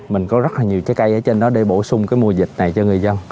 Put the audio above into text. mình có rất là nhiều trái cây ở trên đó để bổ sung cái mùa dịch này cho người dân